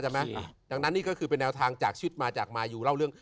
ดังนั้นนี่ก็คือเป็นแนวทางจากชิดมาจากมายูเล่าเรื่อง